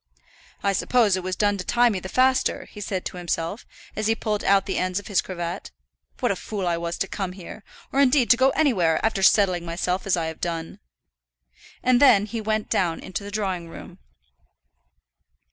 "I suppose it was done to tie me the faster," he said to himself, as he pulled out the ends of his cravat. "What a fool I was to come here, or indeed to go anywhere, after settling myself as I have done." And then he went down into the drawing room.